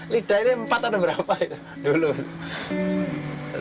lidah ini empat atau berapa gitu